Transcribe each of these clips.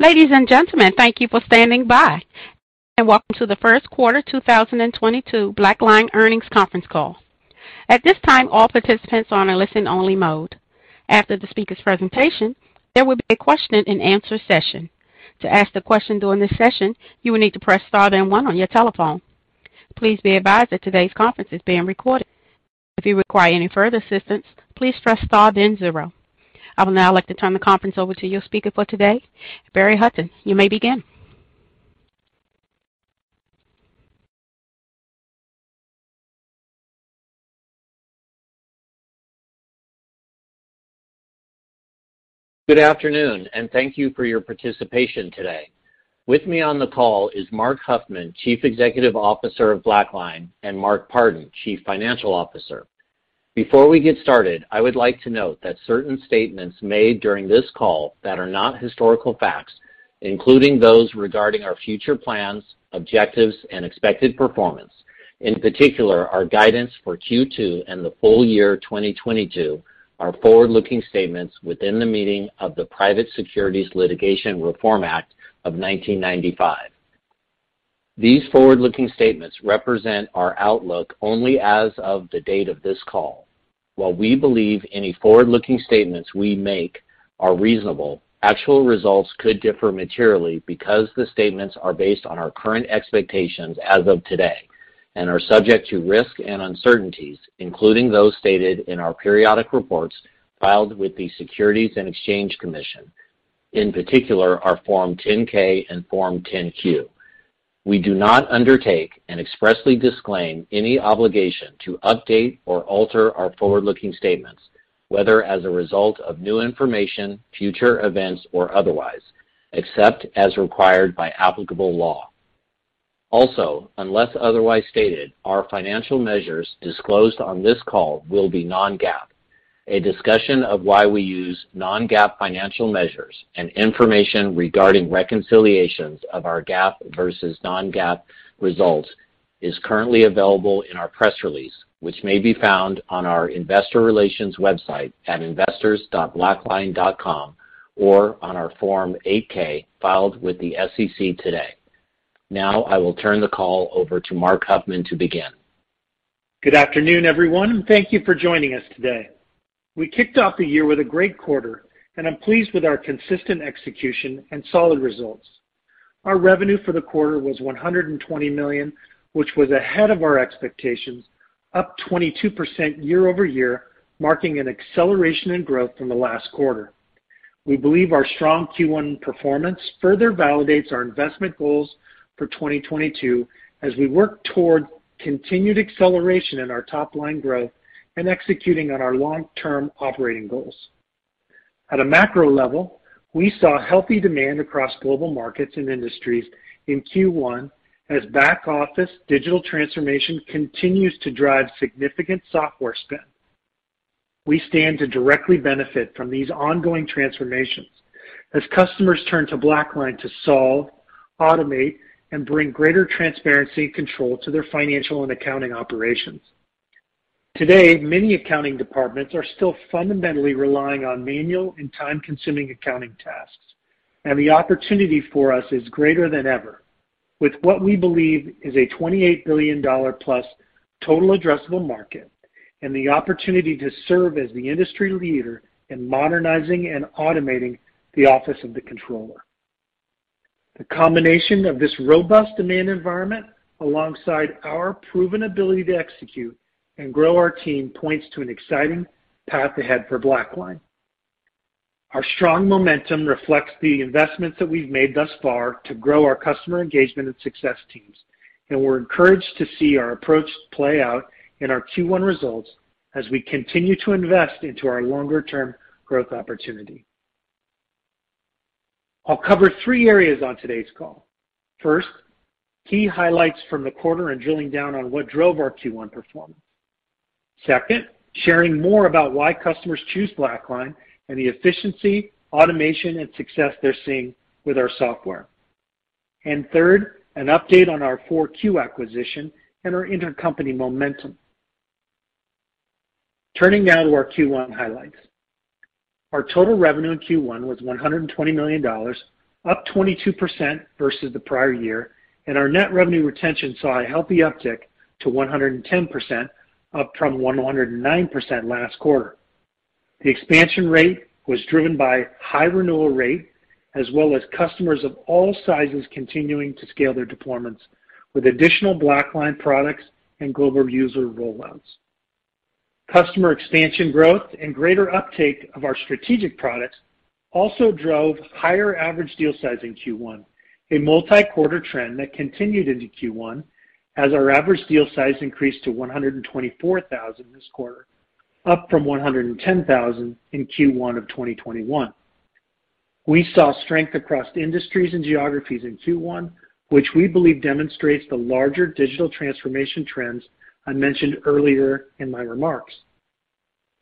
Ladies and gentlemen, thank you for standing by. Welcome to the First Quarter 2022 BlackLine Earnings Conference Call. At this time, all participants are in a listen only mode. After the speaker's presentation, there will be a question and answer session. To ask the question during this session, you will need to press star then one on your telephone. Please be advised that today's conference is being recorded. If you require any further assistance, please press star then zero. I will now like to turn the conference over to your speaker for today, Barry Hutton. You may begin. Good afternoon, and thank you for your participation today. With me on the call is Marc Huffman, Chief Executive Officer of BlackLine, and Mark Partin, Chief Financial Officer. Before we get started, I would like to note that certain statements made during this call that are not historical facts, including those regarding our future plans, objectives, and expected performance, in particular, our guidance for Q2 and the full year 2022 are forward-looking statements within the meaning of the Private Securities Litigation Reform Act of 1995. These forward-looking statements represent our outlook only as of the date of this call. While we believe any forward-looking statements we make are reasonable, actual results could differ materially because the statements are based on our current expectations as of today, and are subject to risks and uncertainties, including those stated in our periodic reports filed with the Securities and Exchange Commission. In particular, our Form 10-K and Form 10-Q. We do not undertake and expressly disclaim any obligation to update or alter our forward-looking statements, whether as a result of new information, future events, or otherwise, except as required by applicable law. Also, unless otherwise stated, our financial measures disclosed on this call will be non-GAAP. A discussion of why we use non-GAAP financial measures and information regarding reconciliations of our GAAP versus non-GAAP results is currently available in our press release, which may be found on our Investor Relations website at investors.blackline.com, or on our Form 8-K filed with the SEC today. Now I will turn the call over to Marc Huffman to begin. Good afternoon, everyone, and thank you for joining us today. We kicked off the year with a great quarter, and I'm pleased with our consistent execution and solid results. Our revenue for the quarter was $120 million, which was ahead of our expectations, up 22% YoY, marking an acceleration in growth from the last quarter. We believe our strong Q1 performance further validates our investment goals for 2022 as we work toward continued acceleration in our top line growth and executing on our long-term operating goals. At a macro level, we saw healthy demand across global markets and industries in Q1 as back office digital transformation continues to drive significant software spend. We stand to directly benefit from these ongoing transformations as customers turn to BlackLine to solve, automate, and bring greater transparency and control to their financial and accounting operations. Today, many accounting departments are still fundamentally relying on manual and time-consuming accounting tasks, and the opportunity for us is greater than ever. With what we believe is a $28 billion+ total addressable market and the opportunity to serve as the industry leader in modernizing and automating the office of the controller. The combination of this robust demand environment alongside our proven ability to execute and grow our team points to an exciting path ahead for BlackLine. Our strong momentum reflects the investments that we've made thus far to grow our customer engagement and success teams, and we're encouraged to see our approach play out in our Q1 results as we continue to invest into our longer-term growth opportunity. I'll cover three areas on today's call. First, key highlights from the quarter and drilling down on what drove our Q1 performance. Second, sharing more about why customers choose BlackLine and the efficiency, automation, and success they're seeing with our software. Third, an update on our FourQ acquisition and our Intercompany momentum. Turning now to our Q1 highlights. Our total revenue in Q1 was $120 million, up 22% versus the prior year, and our net revenue retention saw a healthy uptick to 110%, up from 109% last quarter. The expansion rate was driven by high renewal rate, as well as customers of all sizes continuing to scale their deployments with additional BlackLine products and global user rollouts. Customer expansion growth and greater uptake of our strategic products also drove higher average deal size in Q1, a multi-quarter trend that continued into Q1 as our average deal size increased to $124,000 this quarter, up from $110,000 in Q1 of 2021. We saw strength across industries and geographies in Q1, which we believe demonstrates the larger digital transformation trends I mentioned earlier in my remarks.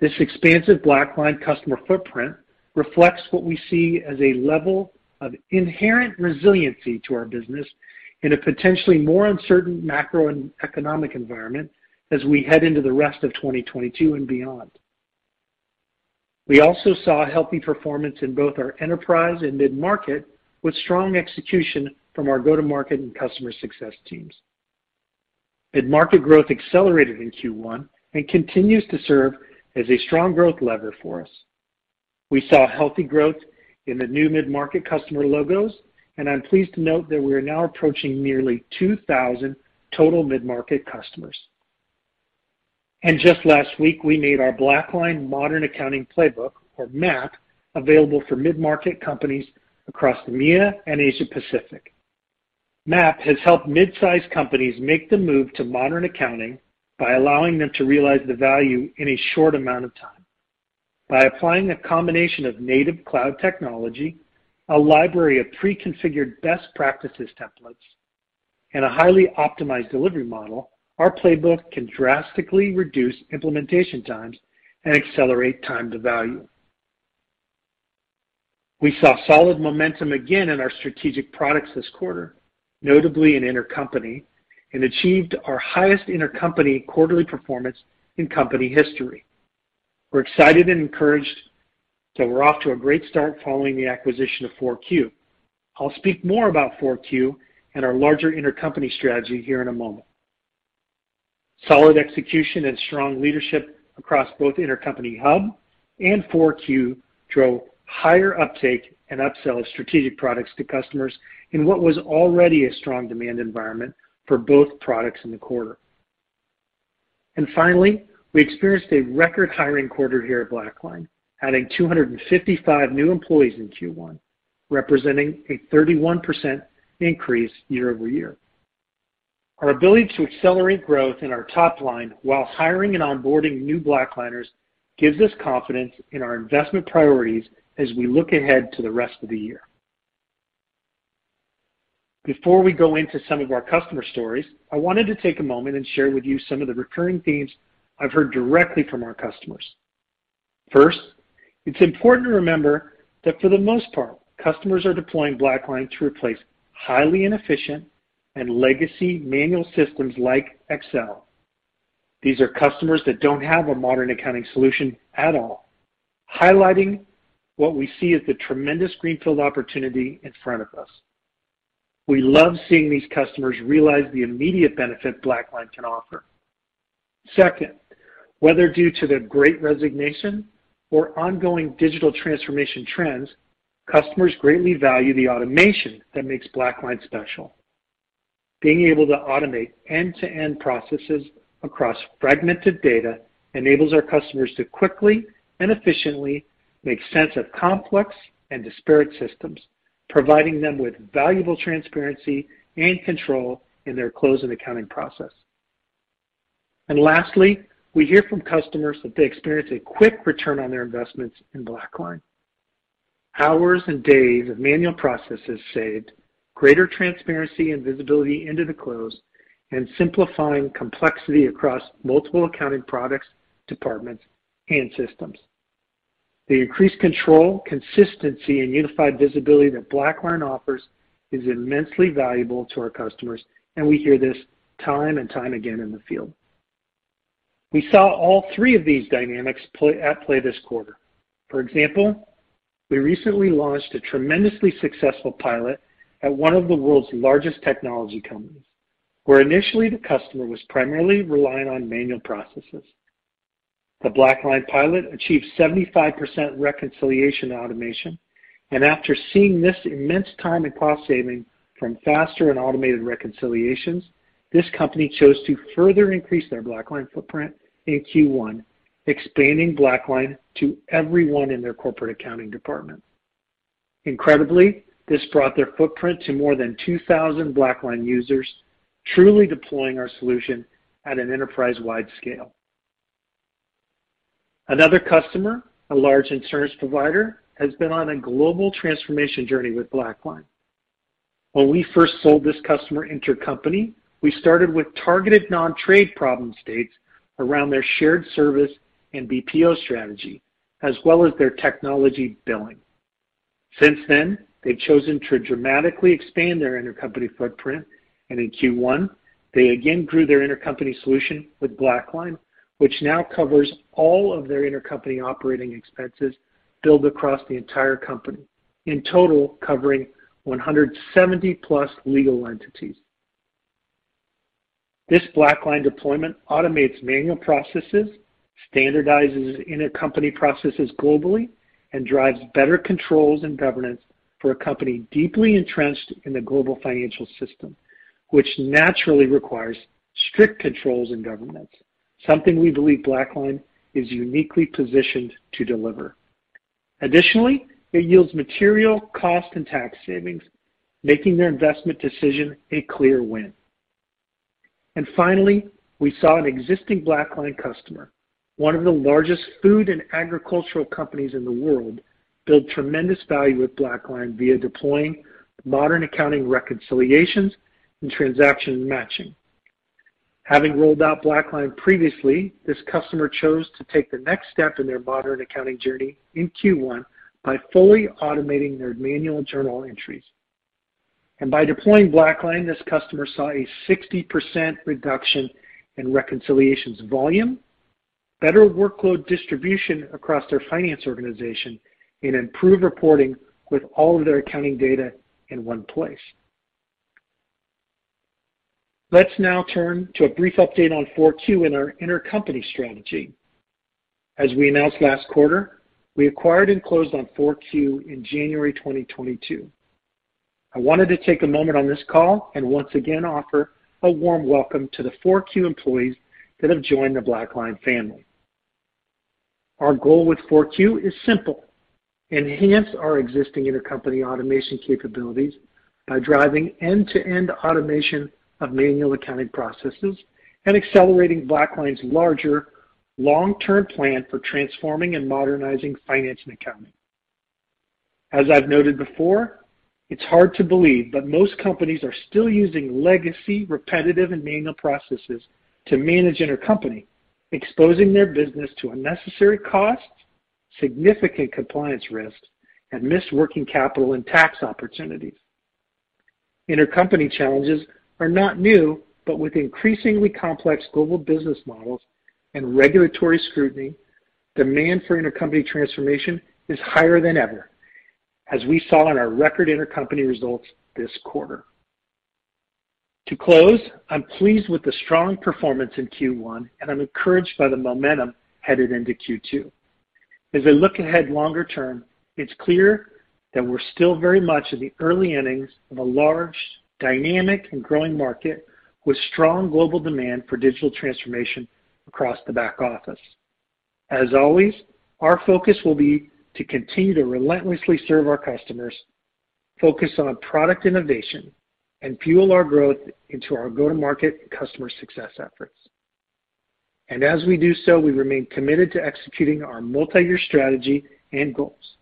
This expansive BlackLine customer footprint reflects what we see as a level of inherent resiliency to our business in a potentially more uncertain macro and economic environment as we head into the rest of 2022 and beyond. We also saw a healthy performance in both our enterprise and mid-market, with strong execution from our go-to-market and customer success teams. Mid-market growth accelerated in Q1 and continues to serve as a strong growth lever for us. We saw healthy growth in the new mid-market customer logos, and I'm pleased to note that we are now approaching nearly 2,000 total mid-market customers. Just last week, we made our BlackLine Modern Accounting Playbook, or MAP, available for mid-market companies across EMEA and Asia Pacific. MAP has helped mid-size companies make the move to modern accounting by allowing them to realize the value in a short amount of time. By applying a combination of native cloud technology, a library of pre-configured best practices templates, and a highly optimized delivery model, our playbook can drastically reduce implementation times and accelerate time to value. We saw solid momentum again in our strategic products this quarter, notably in Intercompany, and achieved our highest Intercompany quarterly performance in company history. We're excited and encouraged that we're off to a great start following the acquisition of FourQ. I'll speak more about FourQ and our larger Intercompany strategy here in a moment. Solid execution and strong leadership across both Intercompany Hub and FourQ drove higher uptake and upsell of strategic products to customers in what was already a strong demand environment for both products in the quarter. Finally, we experienced a record hiring quarter here at BlackLine, adding 255 new employees in Q1, representing a 31% increase YoY. Our ability to accelerate growth in our top line while hiring and onboarding new BlackLiners gives us confidence in our investment priorities as we look ahead to the rest of the year. Before we go into some of our customer stories, I wanted to take a moment and share with you some of the recurring themes I've heard directly from our customers. First, it's important to remember that for the most part, customers are deploying BlackLine to replace highly inefficient and legacy manual systems like Excel. These are customers that don't have a modern accounting solution at all, highlighting what we see as the tremendous greenfield opportunity in front of us. We love seeing these customers realize the immediate benefit BlackLine can offer. Second, whether due to the Great Resignation or ongoing digital transformation trends, customers greatly value the automation that makes BlackLine special. Being able to automate end-to-end processes across fragmented data enables our customers to quickly and efficiently make sense of complex and disparate systems, providing them with valuable transparency and control in their close and accounting process. Lastly, we hear from customers that they experience a quick return on their investments in BlackLine. Hours and days of manual processes saved, greater transparency and visibility into the close, and simplifying complexity across multiple accounting products, departments, and systems. The increased control, consistency, and unified visibility that BlackLine offers is immensely valuable to our customers, and we hear this time and time again in the field. We saw all three of these dynamics at play this quarter. For example, we recently launched a tremendously successful pilot at one of the world's largest technology companies, where initially the customer was primarily relying on manual processes. The BlackLine pilot achieved 75% reconciliation automation, and after seeing this immense time and cost saving from faster and automated reconciliations, this company chose to further increase their BlackLine footprint in Q1, expanding BlackLine to everyone in their corporate accounting department. Incredibly, this brought their footprint to more than 2,000 BlackLine users, truly deploying our solution at an enterprise-wide scale. Another customer, a large insurance provider, has been on a global transformation journey with BlackLine. When we first sold this customer Intercompany, we started with targeted non-trade problem states around their shared service and BPO strategy, as well as their technology billing. Since then, they've chosen to dramatically expand their Intercompany footprint, and in Q1, they again grew their Intercompany solution with BlackLine, which now covers all of their Intercompany operating expenses billed across the entire company, in total covering 170+ legal entities. This BlackLine deployment automates manual processes, standardizes Intercompany processes globally, and drives better controls and governance for a company deeply entrenched in the global financial system, which naturally requires strict controls and governance, something we believe BlackLine is uniquely positioned to deliver. Additionally, it yields material cost and tax savings, making their investment decision a clear win. Finally, we saw an existing BlackLine customer, one of the largest food and agricultural companies in the world, build tremendous value with BlackLine via deploying modern accounting reconciliations and Transaction Matching. Having rolled out BlackLine previously, this customer chose to take the next step in their modern accounting journey in Q1 by fully automating their manual journal entries. By deploying BlackLine, this customer saw a 60% reduction in reconciliations volume, better workload distribution across their finance organization, and improved reporting with all of their accounting data in one place. Let's now turn to a brief update on FourQ in our Intercompany strategy. As we announced last quarter, we acquired and closed on FourQ in January 2022. I wanted to take a moment on this call and once again offer a warm welcome to the FourQ employees that have joined the BlackLine family. Our goal with FourQ is simple. Enhance our existing Intercompany automation capabilities by driving end-to-end automation of manual accounting processes and accelerating BlackLine's larger long-term plan for transforming and modernizing finance and accounting. As I've noted before, it's hard to believe that most companies are still using legacy, repetitive, and manual processes to manage Intercompany, exposing their business to unnecessary costs, significant compliance risks, and missed working capital and tax opportunities. Intercompany challenges are not new, but with increasingly complex global business models and regulatory scrutiny, demand for Intercompany transformation is higher than ever, as we saw in our record Intercompany results this quarter. To close, I'm pleased with the strong performance in Q1, and I'm encouraged by the momentum headed into Q2. As I look ahead longer term, it's clear that we're still very much in the early innings of a large, dynamic, and growing market with strong global demand for digital transformation across the back office. As always, our focus will be to continue to relentlessly serve our customers, focus on product innovation, and fuel our growth into our go-to-market customer success efforts. As we do so, we remain committed to executing our multi-year strategy and goals,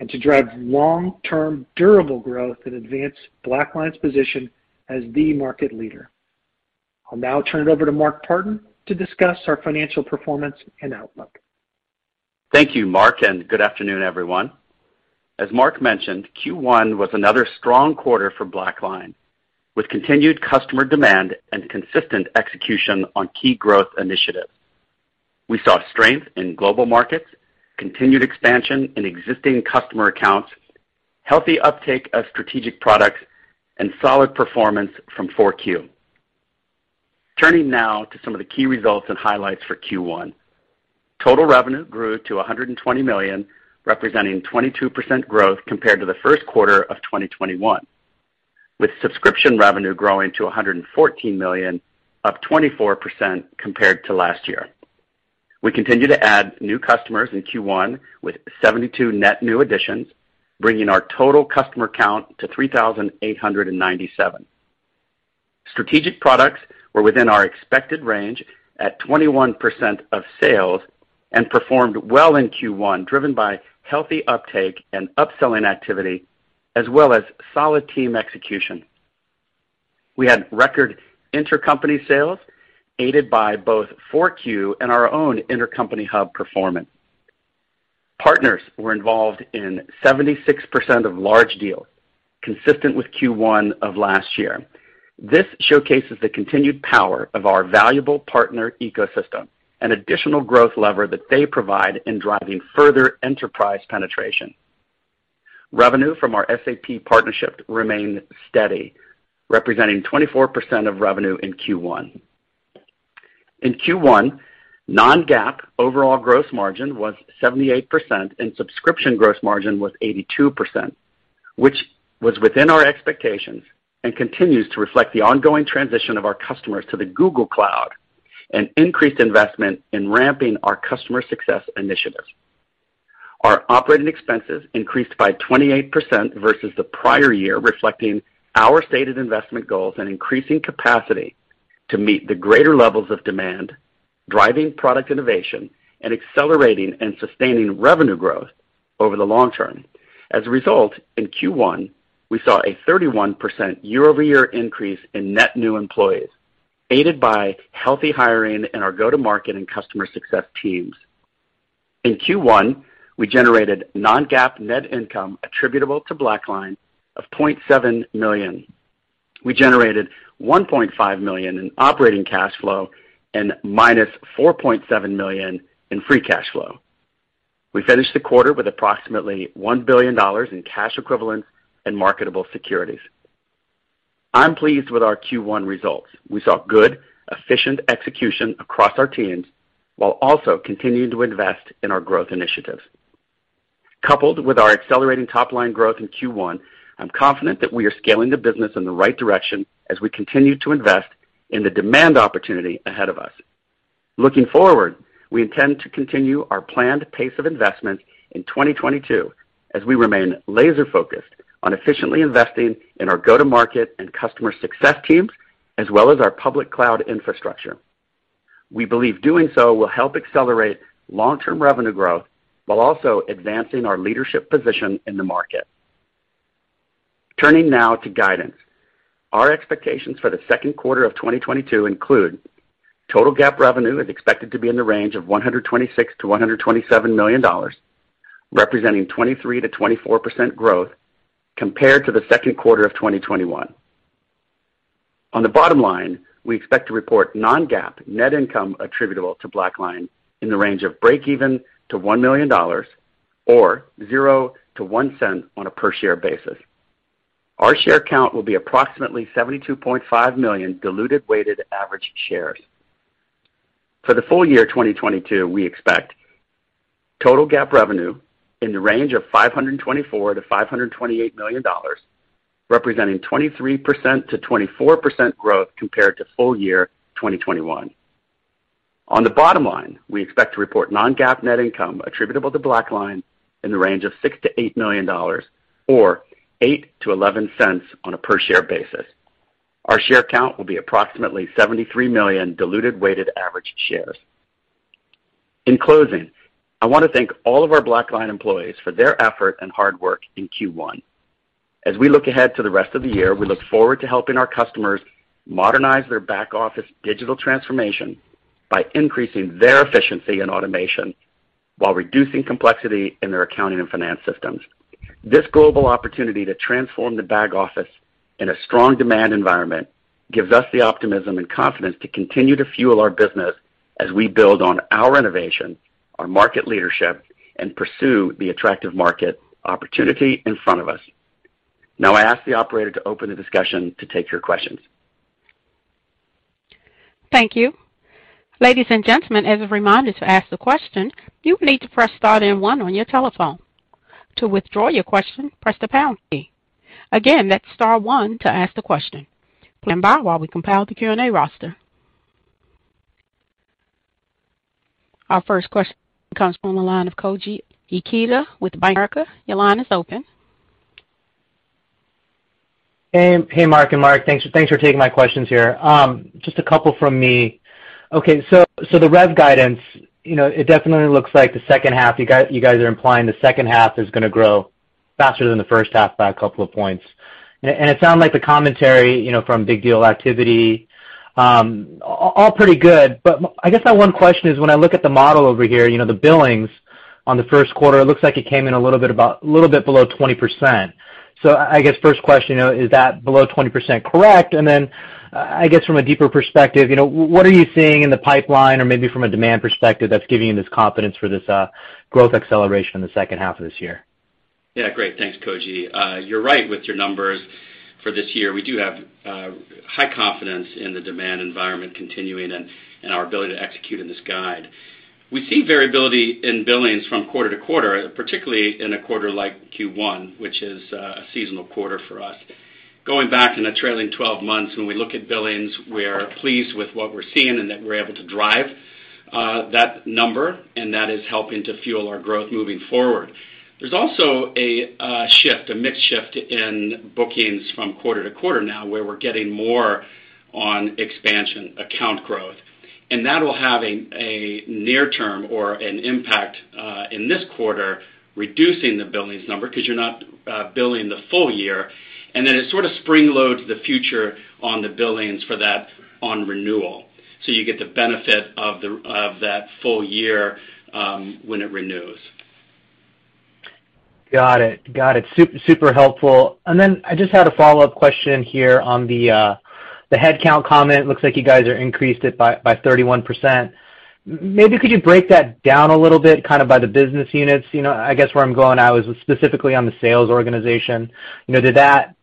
and to drive long-term durable growth and advance BlackLine's position as the market leader. I'll now turn it over to Mark Partin to discuss our financial performance and outlook. Thank you, Marc, and good afternoon, everyone. As Marc mentioned, Q1 was another strong quarter for BlackLine, with continued customer demand and consistent execution on key growth initiatives. We saw strength in global markets, continued expansion in existing customer accounts, healthy uptake of strategic products, and solid performance from FourQ. Turning now to some of the key results and highlights for Q1. Total revenue grew to $120 million, representing 22% growth compared to the first quarter of 2021, with subscription revenue growing to $114 million, up 24% compared to last year. We continued to add new customers in Q1 with 72 net new additions, bringing our total customer count to 3,897. Strategic products were within our expected range at 21% of sales and performed well in Q1, driven by healthy uptake and upselling activity, as well as solid team execution. We had record Intercompany sales aided by both FourQ and our own Intercompany Hub performance. Partners were involved in 76% of large deals, consistent with Q1 of last year. This showcases the continued power of our valuable partner ecosystem, an additional growth lever that they provide in driving further enterprise penetration. Revenue from our SAP partnership remained steady, representing 24% of revenue in Q1. In Q1, non-GAAP overall gross margin was 78%, and subscription gross margin was 82%, which was within our expectations and continues to reflect the ongoing transition of our customers to the Google Cloud and increased investment in ramping our customer success initiatives. Our operating expenses increased by 28% versus the prior year, reflecting our stated investment goals and increasing capacity to meet the greater levels of demand, driving product innovation, and accelerating and sustaining revenue growth over the long term. As a result, in Q1, we saw a 31% YoY increase in net new employees, aided by healthy hiring in our go-to-market and customer success teams. In Q1, we generated non-GAAP net income attributable to BlackLine of $0.7 million. We generated $1.5 million in operating cash flow and -$4.7 million in free cash flow. We finished the quarter with approximately $1 billion in cash equivalents and marketable securities. I'm pleased with our Q1 results. We saw good, efficient execution across our teams while also continuing to invest in our growth initiatives. Coupled with our accelerating top-line growth in Q1, I'm confident that we are scaling the business in the right direction as we continue to invest in the demand opportunity ahead of us. Looking forward, we intend to continue our planned pace of investment in 2022 as we remain laser-focused on efficiently investing in our go-to-market and customer success teams, as well as our public cloud infrastructure. We believe doing so will help accelerate long-term revenue growth while also advancing our leadership position in the market. Turning now to guidance. Our expectations for the second quarter of 2022 include total GAAP revenue is expected to be in the range of $126 million-$127 million, representing 23%-24% growth compared to the second quarter of 2021. On the bottom line, we expect to report non-GAAP net income attributable to BlackLine in the range of breakeven to $1 million or $0.00-$0.01 per share. Our share count will be approximately 72.5 million diluted weighted average shares. For the full year 2022, we expect total GAAP revenue in the range of $524 million-$528 million, representing 23%-24% growth compared to full year 2021. On the bottom line, we expect to report non-GAAP net income attributable to BlackLine in the range of $6 million-$8 million or $0.08-$0.11 per share. Our share count will be approximately 73 million diluted weighted average shares. In closing, I want to thank all of our BlackLine employees for their effort and hard work in Q1. As we look ahead to the rest of the year, we look forward to helping our customers modernize their back office digital transformation by increasing their efficiency and automation while reducing complexity in their accounting and finance systems. This global opportunity to transform the back office in a strong demand environment gives us the optimism and confidence to continue to fuel our business as we build on our innovation, our market leadership, and pursue the attractive market opportunity in front of us. Now I ask the operator to open the discussion to take your questions. Thank you. Ladies and gentlemen, as a reminder to ask the question, you need to press star then one on your telephone. To withdraw your question, press the pound key. Again, that's star one to ask the question. Please stand by while we compile the Q&A roster. Our first question comes from the line of Koji Ikeda with Bank of America. Your line is open. Hey, Marc and Mark, thanks for taking my questions here. Just a couple from me. Okay. So the rev guidance, you know, it definitely looks like the second half. You guys are implying the second half is gonna grow faster than the first half by a couple of points. It sounds like the commentary, you know, from big deal activity, all pretty good. I guess my one question is, when I look at the model over here, you know, the billings on the first quarter, it looks like it came in a little bit below 20%. So I guess first question, you know, is that below 20% correct? I guess from a deeper perspective, you know, what are you seeing in the pipeline or maybe from a demand perspective that's giving you this confidence for this growth acceleration in the second half of this year? Yeah. Great. Thanks, Koji. You're right with your numbers for this year. We do have high confidence in the demand environment continuing and our ability to execute in this guide. We see variability in billings from quarter to quarter, particularly in a quarter like Q1, which is a seasonal quarter for us. Going back in the trailing 12 months, when we look at billings, we are pleased with what we're seeing and that we're able to drive that number, and that is helping to fuel our growth moving forward. There's also a shift, a mix shift in bookings from quarter to quarter now where we're getting more on expansion account growth, and that will have a near term or an impact in this quarter, reducing the billings number 'cause you're not billing the full year. It sort of spring loads the future on the billings for that on renewal. You get the benefit of that full year when it renews. Got it. Super helpful. I just had a follow-up question here on the headcount comment. Looks like you guys are increased it by 31%. Maybe could you break that down a little bit, kind of by the business units? You know, I guess where I'm going, I was specifically on the sales organization. You know, did that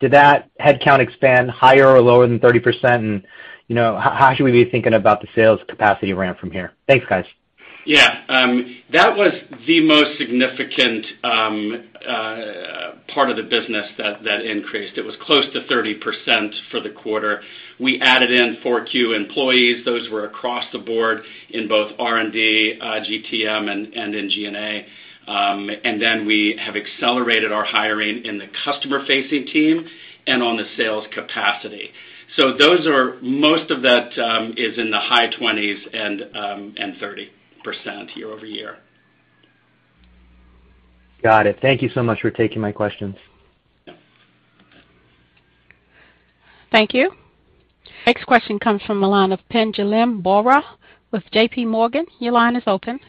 headcount expand higher or lower than 30%? You know, how should we be thinking about the sales capacity ramp from here? Thanks, guys. Yeah. That was the most significant part of the business that increased. It was close to 30% for the quarter. We added in FourQ employees. Those were across the board in both R&D, GTM and in G&A. We have accelerated our hiring in the customer-facing team and on the sales capacity. Most of that is in the high 20s% and 30% YoY. Got it. Thank you so much for taking my questions. Thank you. Next question comes from the line of Pinjalim Bora with JPMorgan. Your line is open.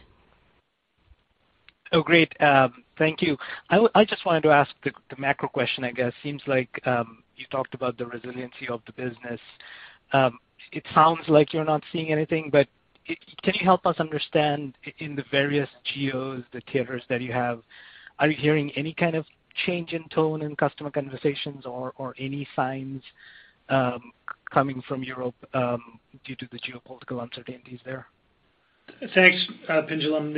Oh, great. Thank you. I just wanted to ask the macro question, I guess. Seems like you talked about the resiliency of the business. It sounds like you're not seeing anything, but can you help us understand in the various geos, the theaters that you have, are you hearing any kind of change in tone in customer conversations or any signs coming from Europe due to the geopolitical uncertainties there? Thanks, Pinjalim.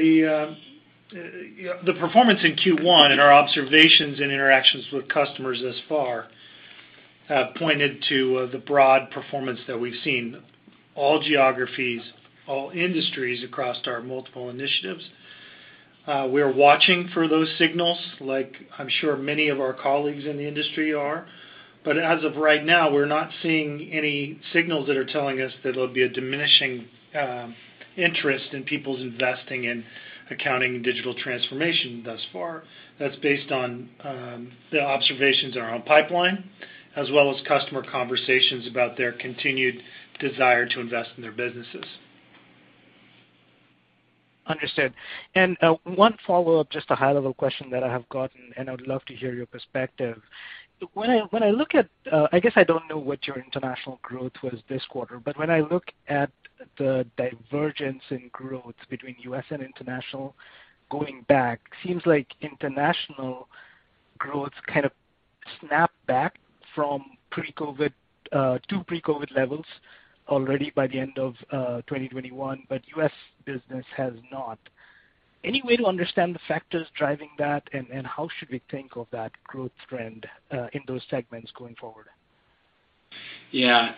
The performance in Q1 and our observations and interactions with customers thus far have pointed to the broad performance that we've seen, all geographies, all industries across our multiple initiatives. We are watching for those signals, like I'm sure many of our colleagues in the industry are, but as of right now, we're not seeing any signals that are telling us that there'll be a diminishing interest in people's investing in accounting and digital transformation thus far. That's based on the observations in our own pipeline, as well as customer conversations about their continued desire to invest in their businesses. Understood. One follow-up, just a high level question that I have gotten, and I would love to hear your perspective. When I look at, I guess I don't know what your international growth was this quarter, but when I look at the divergence in growth between US and international going back, it seems like international growth kind of snapped back from pre-COVID to pre-COVID levels already by the end of 2021, but US business has not. Any way to understand the factors driving that, and how should we think of that growth trend in those segments going forward? Yeah.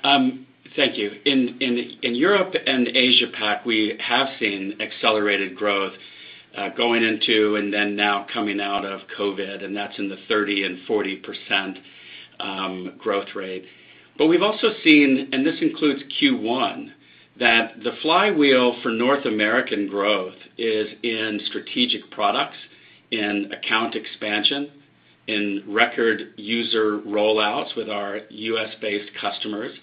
Thank you. In Europe and Asia Pac, we have seen accelerated growth, going into and then now coming out of COVID, and that's in the 30%-40% growth rate. We've also seen, and this includes Q1, that the flywheel for North American growth is in strategic products, in account expansion, in record user rollouts with our US-based customers.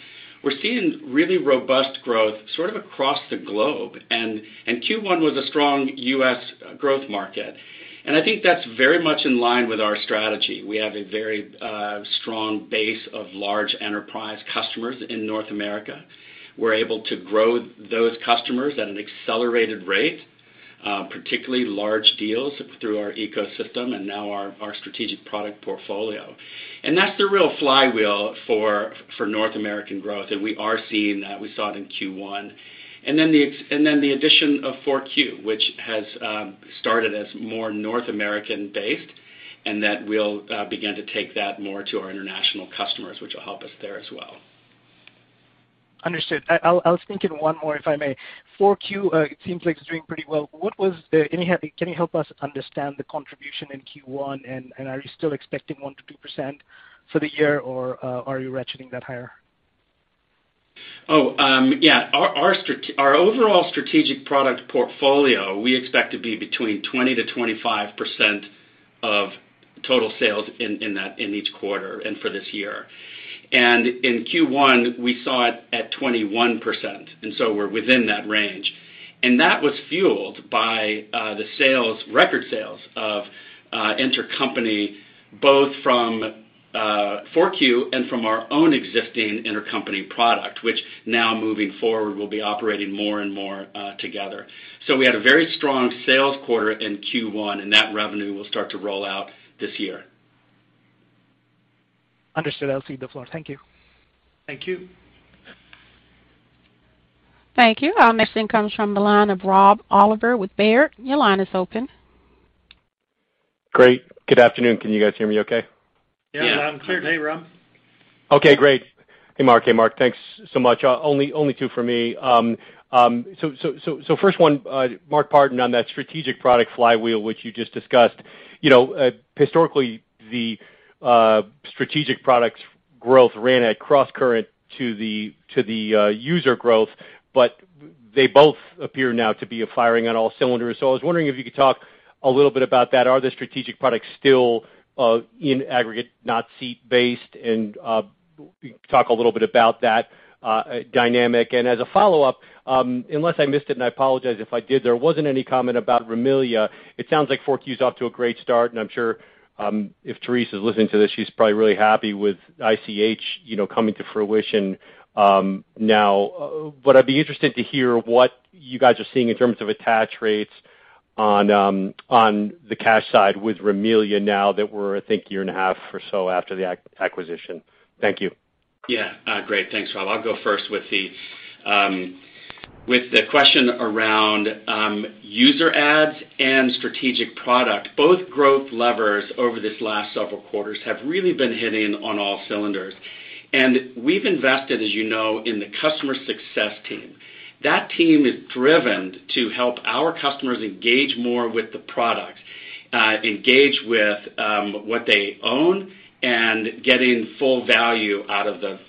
We're seeing really robust growth sort of across the globe, and Q1 was a strong US growth market. I think that's very much in line with our strategy. We have a very strong base of large enterprise customers in North America. We're able to grow those customers at an accelerated rate, particularly large deals through our ecosystem and now our strategic product portfolio. That's the real flywheel for North American growth, and we are seeing that. We saw it in Q1. Then the addition of FourQ, which has started as more North American based, and that we'll begin to take that more to our international customers, which will help us there as well. Understood. I'll sneak in one more, if I may. FourQ, it seems like it's doing pretty well. Can you help us understand the contribution in Q1, and are you still expecting 1%-2% for the year, or are you ratcheting that higher? Our overall strategic product portfolio we expect to be between 20%-25% of total sales in each quarter and for this year. In Q1, we saw it at 21%, and we're within that range. That was fueled by record sales of Intercompany, both from FourQ and from our own existing Intercompany product, which now moving forward will be operating more and more together. We had a very strong sales quarter in Q1, and that revenue will start to roll out this year. Understood. I'll cede the floor. Thank you. Thank you. Thank you. Our next question comes from the line of Rob Oliver with Baird. Your line is open. Great. Good afternoon. Can you guys hear me okay? Yeah. Yeah. Loud and clear. Hey, Rob. Okay, great. Hey, Mark. Thanks so much. Only two for me. So first one, Mark, on that strategic product flywheel, which you just discussed. You know, historically, the strategic products growth ran at cross current to the user growth, but they both appear now to be firing on all cylinders. So I was wondering if you could talk a little bit about that. Are the strategic products still, in aggregate, not seat-based? And talk a little bit about that dynamic. And as a follow-up, unless I missed it, and I apologize if I did, there wasn't any comment about Rimilia. It sounds like FourQ's off to a great start, and I'm sure, if Therese is listening to this, she's probably really happy with ICH, you know, coming to fruition, now. I'd be interested to hear what you guys are seeing in terms of attach rates on the cash side with Rimilia now that we're, I think, a year and a half or so after the acquisition. Thank you. Yeah. Great. Thanks, Rob. I'll go first with the question around user adds and strategic product. Both growth levers over this last several quarters have really been hitting on all cylinders. We've invested, as you know, in the customer success team. That team is driven to help our customers engage more with the product, engage with what they own and getting full value out of the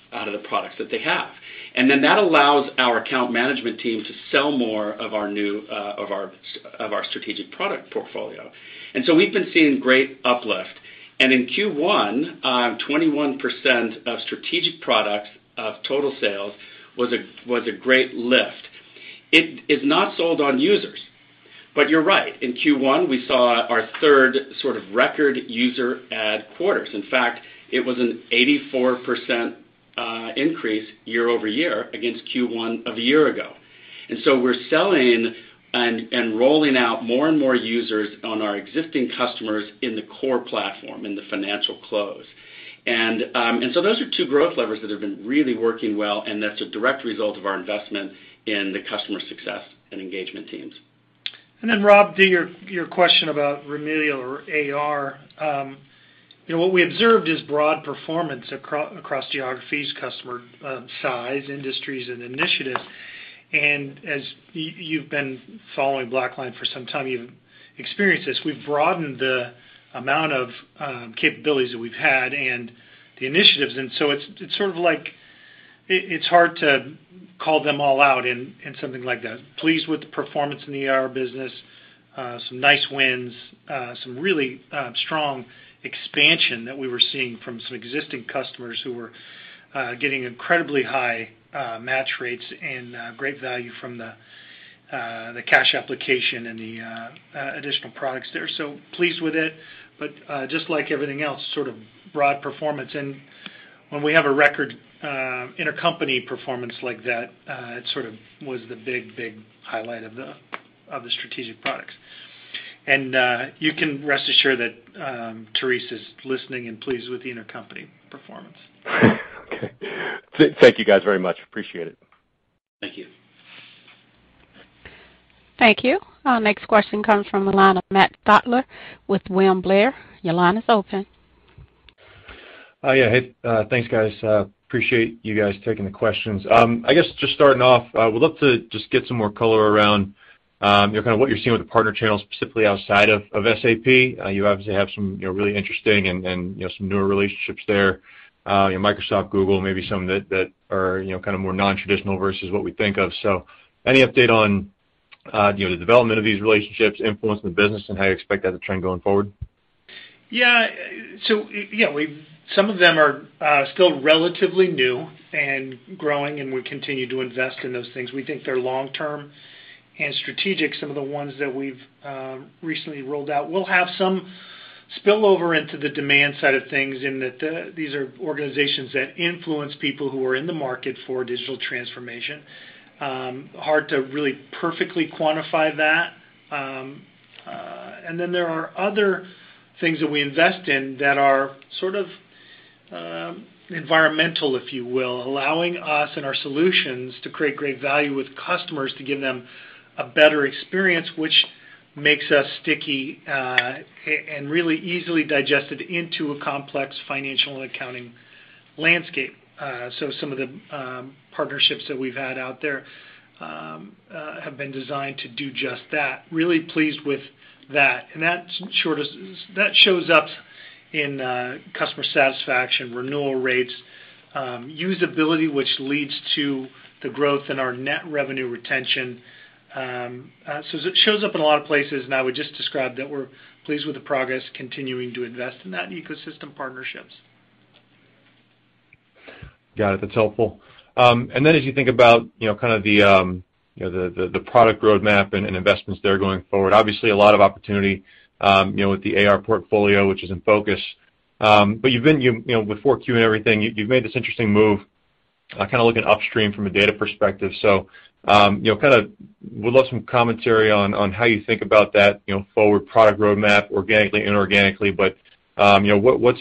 products that they have. Then that allows our account management team to sell more of our new strategic product portfolio. We've been seeing great uplift. In Q1, 21% of strategic products of total sales was a great lift. It is not sold on users, but you're right. In Q1, we saw our third sort of record user add quarters. In fact, it was an 84% increase YoY against Q1 of a year ago. We're selling and rolling out more and more users on our existing customers in the core platform, in the financial close. Those are two growth levers that have been really working well, and that's a direct result of our investment in the customer success and engagement teams. Then Rob, to your question about Rimilia or AR, you know, what we observed is broad performance across geographies, customer size, industries, and initiatives. As you've been following BlackLine for some time, you've experienced this. We've broadened the amount of capabilities that we've had and the initiatives, and so it's sort of like it's hard to call them all out in something like that. Pleased with the performance in the AR business, some nice wins, some really strong expansion that we were seeing from some existing customers who were getting incredibly high match rates and great value from the The cash application and the additional products there. Pleased with it. Just like everything else, sort of broad performance and when we have a record Intercompany performance like that, it sort of was the big highlight of the strategic products. You can rest assured that Therese is listening and pleased with the Intercompany performance. Okay. Thank you guys very much. Appreciate it. Thank you. Thank you. Our next question comes from the line of Matt Stotler with William Blair. Your line is open. Yeah. Hey, thanks, guys. Appreciate you guys taking the questions. I guess just starting off, would love to just get some more color around, you know, kind of what you're seeing with the partner channels specifically outside of SAP. You obviously have some, you know, really interesting and, you know, some newer relationships there. You know, Microsoft, Google, maybe some that are, you know, kind of more non-traditional versus what we think of. Any update on, you know, the development of these relationships influencing the business and how you expect that to trend going forward? Yeah. You know, we've some of them are still relatively new and growing, and we continue to invest in those things. We think they're long-term and strategic. Some of the ones that we've recently rolled out will have some spillover into the demand side of things in that these are organizations that influence people who are in the market for digital transformation. Hard to really perfectly quantify that. And then there are other things that we invest in that are sort of environmental, if you will, allowing us and our solutions to create great value with customers to give them a better experience, which makes us sticky and really easily digested into a complex financial and accounting landscape. Some of the partnerships that we've had out there have been designed to do just that. Really pleased with that. That shows up in customer satisfaction, renewal rates, usability, which leads to the growth in our net revenue retention. It shows up in a lot of places, and I would just describe that we're pleased with the progress continuing to invest in that ecosystem partnerships. Got it. That's helpful. As you think about, you know, kind of the product roadmap and investments there going forward, obviously a lot of opportunity, you know, with the AR portfolio, which is in focus. You know, before Q and everything, you've made this interesting move, kinda looking upstream from a data perspective. You know, kinda would love some commentary on how you think about that, you know, forward product roadmap, organically and inorganically. You know, what's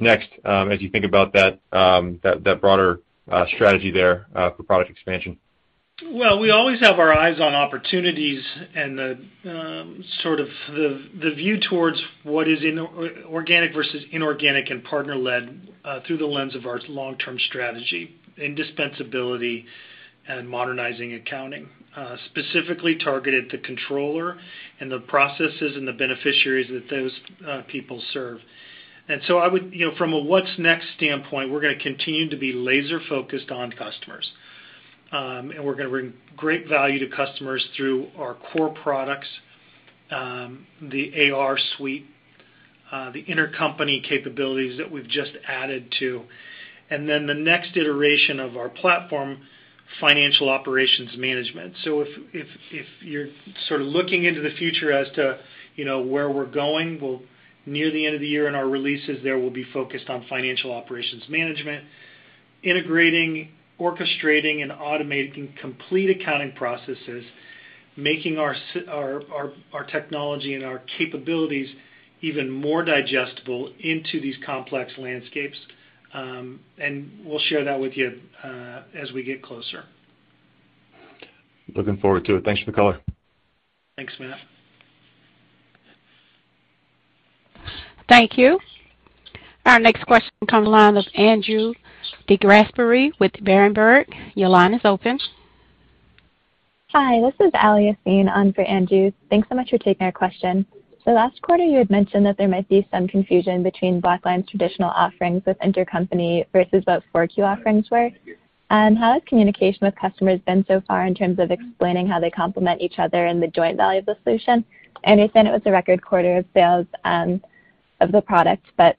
next, I guess, as you think about that broader strategy there, for product expansion? Well, we always have our eyes on opportunities and the sort of view towards what is organic versus inorganic and partner-led, through the lens of our long-term strategy, indispensability and modernizing accounting, specifically targeted to controller and the processes and the beneficiaries that those people serve. I would, you know, from a what's next standpoint, we're gonna continue to be laser-focused on customers. We're gonna bring great value to customers through our core products, the AR suite, the Intercompany capabilities that we've just added to, and then the next iteration of our platform, financial operations management. If you're sort of looking into the future as to, you know, where we're going, well, near the end of the year in our releases there, we'll be focused on financial operations management, integrating, orchestrating, and automating complete accounting processes, making our technology and our capabilities even more digestible into these complex landscapes. We'll share that with you as we get closer. Looking forward to it. Thanks for the color. Thanks, Matt. Thank you. Our next question comes from the line of Andrew DeGasperi with Berenberg. Your line is open. Hi, this is Ally Yaseen in for Andrew. Thanks so much for taking our question. Last quarter, you had mentioned that there might be some confusion between BlackLine's traditional offerings with Intercompany versus what FourQ offerings were. How has communication with customers been so far in terms of explaining how they complement each other and the joint value of the solution? I understand it was a record quarter of sales of the product, but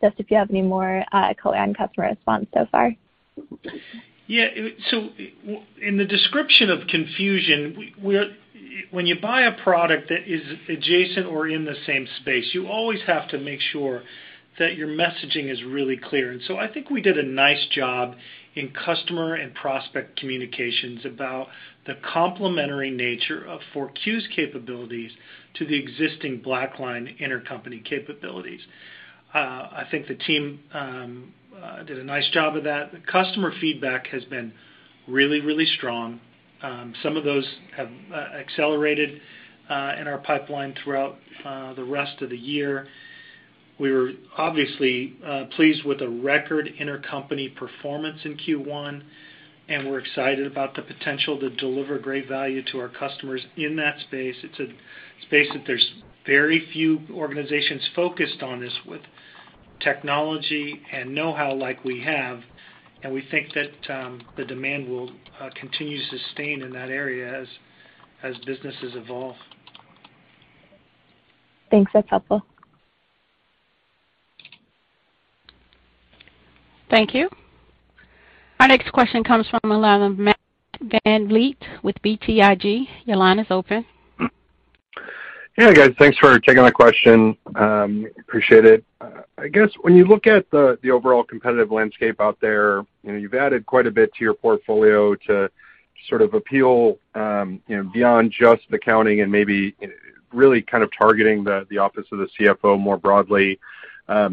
just if you have any more color on customer response so far. When you buy a product that is adjacent or in the same space, you always have to make sure that your messaging is really clear. I think we did a nice job in customer and prospect communications about the complementary nature of FourQ's capabilities to the existing BlackLine Intercompany capabilities. I think the team did a nice job of that. The customer feedback has been really, really strong. Some of those have accelerated in our pipeline throughout the rest of the year. We were obviously pleased with the record Intercompany performance in Q1, and we're excited about the potential to deliver great value to our customers in that space. It's a space that there's very few organizations focused on this with technology and know-how like we have, and we think that the demand will continue to sustain in that area as businesses evolve. Thanks. That's helpful. Thank you. Our next question comes from the line of Matthew VanVliet with BTIG. Your line is open. Hey, guys. Thanks for taking my question. I guess when you look at the overall competitive landscape out there, you know, you've added quite a bit to your portfolio to sort of appeal, you know, beyond just accounting and maybe really kind of targeting the office of the CFO more broadly. As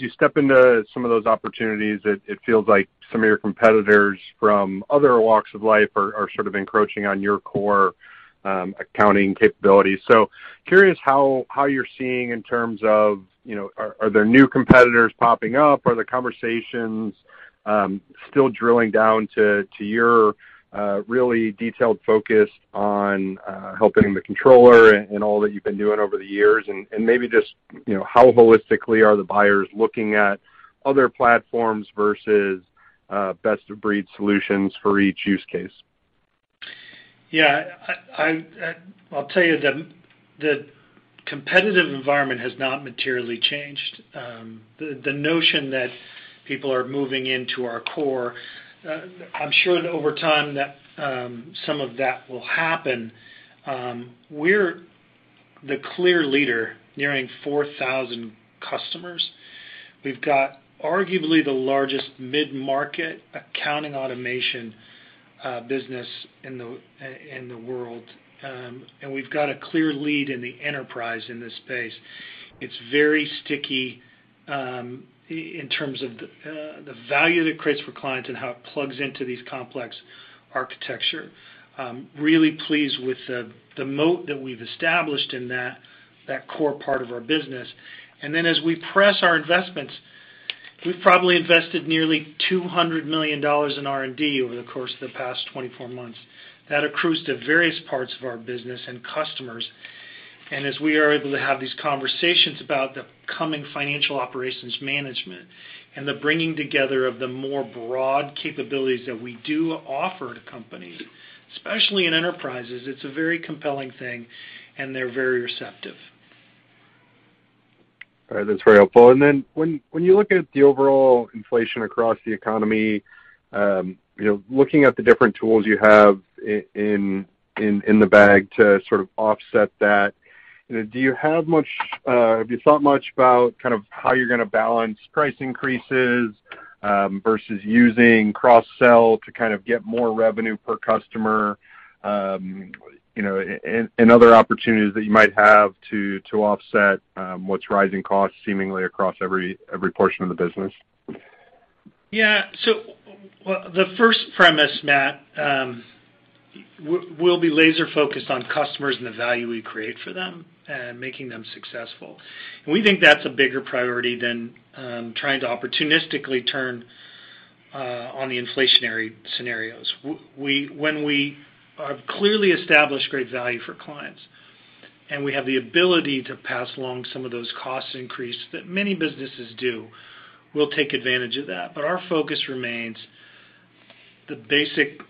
you step into some of those opportunities, it feels like some of your competitors from other walks of life are sort of encroaching on your core accounting capabilities. Curious how you're seeing in terms of, you know, are there new competitors popping up? Are the conversations still drilling down to your really detailed focus on helping the controller and all that you've been doing over the years? Maybe just, you know, how holistically are the buyers looking at other platforms versus best of breed solutions for each use case? Yeah. I'll tell you the competitive environment has not materially changed. The notion that people are moving into our core, I'm sure that over time that some of that will happen. We're the clear leader nearing 4,000 customers. We've got arguably the largest mid-market accounting automation business in the world. And we've got a clear lead in the enterprise in this space. It's very sticky in terms of the value it creates for clients and how it plugs into these complex architecture. Really pleased with the moat that we've established in that core part of our business. Then as we press our investments, we've probably invested nearly $200 million in R&D over the course of the past 24 months. That accrues to various parts of our business and customers. As we are able to have these conversations about the coming financial operations management and the bringing together of the more broad capabilities that we do offer to companies, especially in enterprises, it's a very compelling thing, and they're very receptive. All right. That's very helpful. When you look at the overall inflation across the economy, you know, looking at the different tools you have in the bag to sort of offset that, you know, have you thought much about kind of how you're gonna balance price increases versus using cross-sell to kind of get more revenue per customer, you know, and other opportunities that you might have to offset what's rising costs seemingly across every portion of the business? Well, the first premise, Matt, we'll be laser-focused on customers and the value we create for them and making them successful. We think that's a bigger priority than trying to opportunistically turn on the inflationary scenarios. When we have clearly established great value for clients, and we have the ability to pass along some of those cost increase that many businesses do, we'll take advantage of that. Our focus remains the basic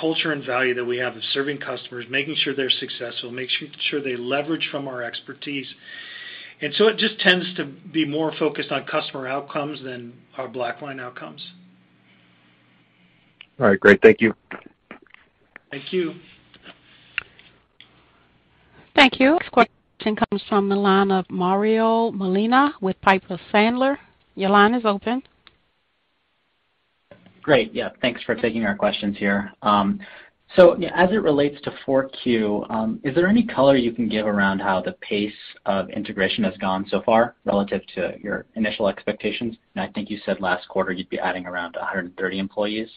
culture and value that we have of serving customers, making sure they're successful, make sure they leverage from our expertise. It just tends to be more focused on customer outcomes than our BlackLine outcomes. All right. Great. Thank you. Thank you. Thank you. Next question comes from the line of Mario Molina with Piper Sandler. Your line is open. Great. Yeah. Thanks for taking our questions here. As it relates to FourQ, is there any color you can give around how the pace of integration has gone so far relative to your initial expectations? I think you said last quarter you'd be adding around 130 employees.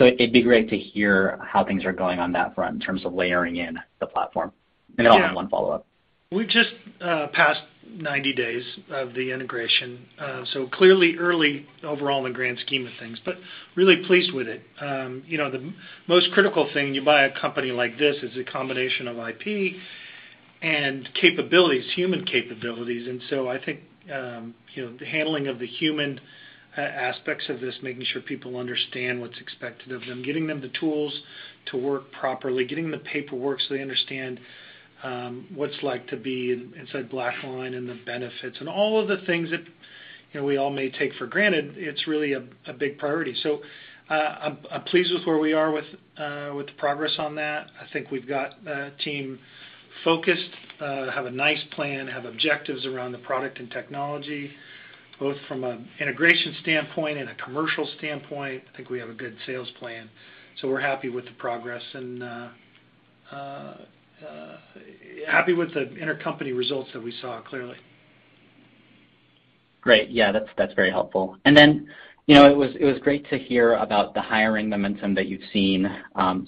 It'd be great to hear how things are going on that front in terms of layering in the platform. I have one follow-up. We've just passed 90 days of the integration. Clearly early overall in the grand scheme of things, but really pleased with it. You know, the most critical thing you buy a company like this is a combination of IP and capabilities, human capabilities. I think you know, the handling of the human aspects of this, making sure people understand what's expected of them, getting them the tools to work properly, getting the paperwork so they understand what it's like to be inside BlackLine and the benefits, and all of the things that you know, we all may take for granted, it's really a big priority. I'm pleased with where we are with the progress on that. I think we've got a team focused, have a nice plan, have objectives around the product and technology, both from an integration standpoint and a commercial standpoint. I think we have a good sales plan, so we're happy with the progress and happy with the Intercompany results that we saw, clearly. Great. Yeah, that's very helpful. You know, it was great to hear about the hiring momentum that you've seen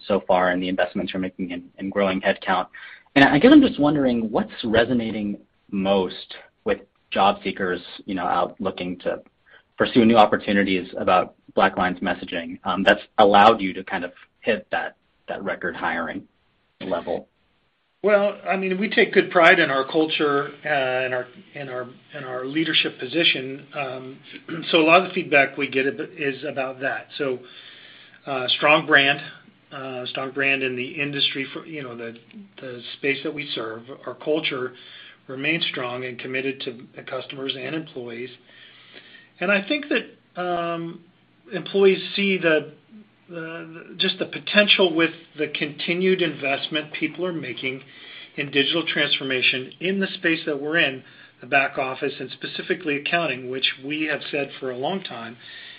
so far and the investments you're making in growing headcount. I guess I'm just wondering what's resonating most with job seekers, you know, out looking to pursue new opportunities about BlackLine's messaging that's allowed you to kind of hit that record hiring level? Well, I mean, we take good pride in our culture and our leadership position. A lot of the feedback we get is about that. Strong brand in the industry for, you know, the space that we serve. Our culture remains strong and committed to the customers and employees. I think that employees see the just the potential with the continued investment people are making in digital transformation in the space that we're in, the back office, and specifically accounting, which we have said for a long time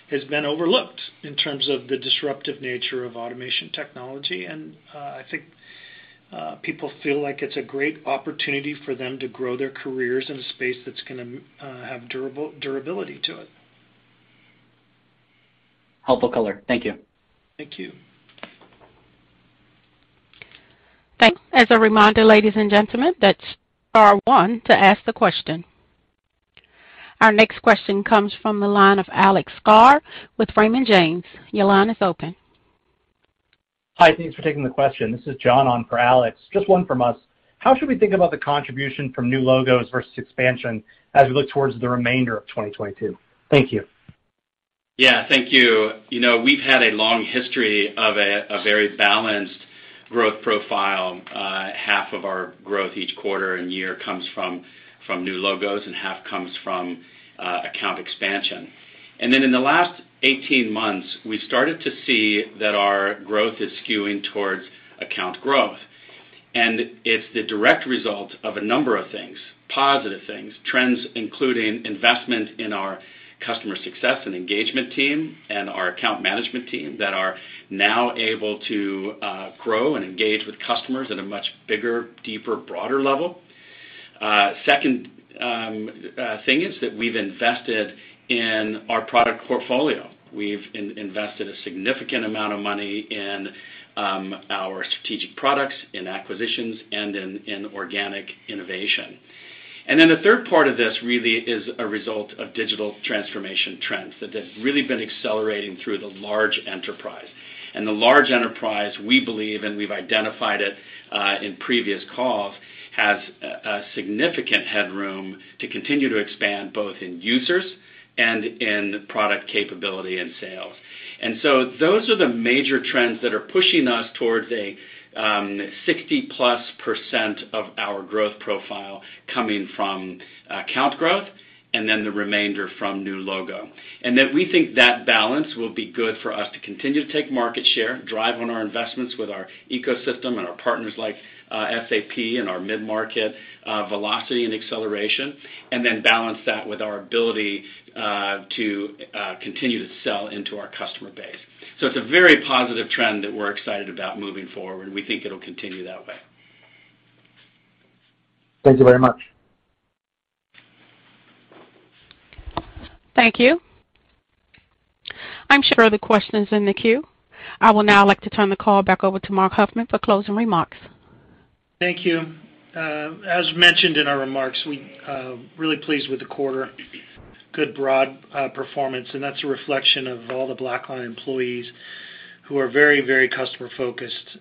has been overlooked in terms of the disruptive nature of automation technology. I think people feel like it's a great opportunity for them to grow their careers in a space that's gonna have durability to it. Helpful color. Thank you. Thank you. Thanks. As a reminder, ladies and gentlemen, that's star one to ask the question. Our next question comes from the line of Alex Sklar with Raymond James. Your line is open. Hi, thanks for taking the question. This is John on for Alex. Just one from us. How should we think about the contribution from new logos versus expansion as we look towards the remainder of 2022? Thank you. Yeah, thank you. You know, we've had a long history of a very balanced growth profile. Half of our growth each quarter and year comes from new logos and half comes from account expansion. In the last 18 months, we started to see that our growth is skewing towards account growth. It's the direct result of a number of things, positive things, trends including investment in our customer success and engagement team and our account management team that are now able to grow and engage with customers at a much bigger, deeper, broader level. Second thing is that we've invested in our product portfolio. We've invested a significant amount of money in our strategic products, in acquisitions, and in organic innovation. The third part of this really is a result of digital transformation trends that have really been accelerating through the large enterprise. The large enterprise, we believe, and we've identified it in previous calls, has a significant headroom to continue to expand both in users and in product capability and sales. Those are the major trends that are pushing us towards 60%+ of our growth profile coming from account growth and then the remainder from new logo. That we think that balance will be good for us to continue to take market share, drive on our investments with our ecosystem and our partners like SAP and our mid-market velocity and acceleration, and then balance that with our ability to continue to sell into our customer base. It's a very positive trend that we're excited about moving forward. We think it'll continue that way. Thank you very much. Thank you. I'm sure other questions in the queue. I would now like to turn the call back over to Marc Huffman for closing remarks. Thank you. As mentioned in our remarks, we're really pleased with the quarter. Good broad performance, and that's a reflection of all the BlackLine employees who are very, very customer-focused.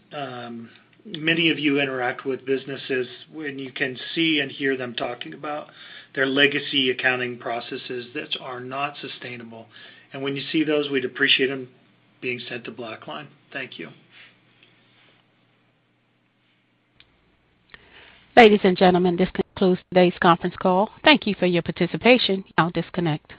Many of you interact with businesses when you can see and hear them talking about their legacy accounting processes that are not sustainable. When you see those, we'd appreciate them being sent to BlackLine. Thank you. Ladies and gentlemen, this concludes today's conference call. Thank you for your participation. You now disconnect.